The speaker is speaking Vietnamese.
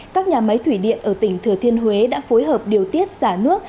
các nhà máy thủy điện ở tỉnh thừa thiên huế đã phối hợp điều tiết xả nước